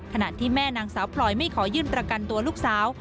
ขณะที่แม่นางสาวพลอยไม่ขอยื่นประกันตัวลูกสาว